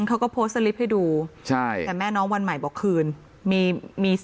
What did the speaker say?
เขาก็ให้ดูใช่แต่แม่น้องวันใหม่บอกคืนมีมี